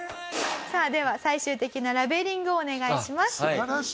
さあでは最終的なラベリングをお願いします。